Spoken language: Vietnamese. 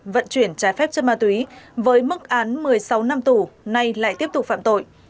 vận chuyển trái phép chất ma túy với mức án một mươi sáu năm tù nay lại tiếp tục phạm tội